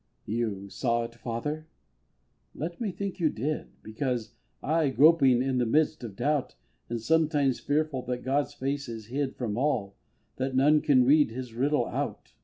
You saw it, Father? Let me think you did Because I, groping in the mists of Doubt, Am sometimes fearful that God's face is hid From all that none can read His riddle out!